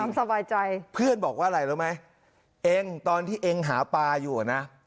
อาบน้ำสบายใจพึ่งบอกว่าอะไรรู้มั้ยเองตอนที่เองหาปลาอยู่ก่อนน่ะ